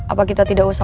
apa kita tidak usah